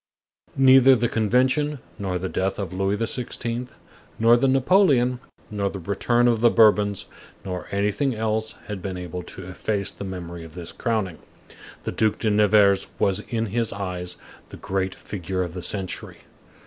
Neither the Convention, nor the death of Louis XVI., nor the Napoleon, nor the return of the Bourbons, nor anything else had been able to efface the memory of this crowning. The Duc de Nevers was, in his eyes, the great figure of the century.